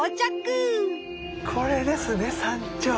これですね山頂。